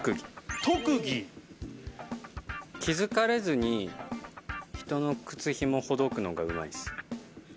気づかれずに人の靴紐をほどくのがうまいです。